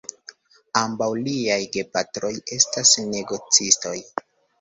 Ambaŭ liaj gepatroj estas negocistoj.